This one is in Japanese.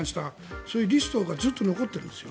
そういうリストがずっと残っているんですよ。